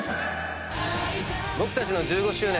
僕たちの１５周年